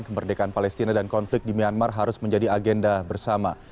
kemerdekaan palestina dan konflik di myanmar harus menjadi agenda bersama